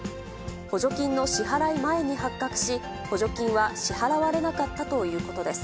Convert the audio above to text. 補助金の支払い前に発覚し、補助金は支払われなかったということです。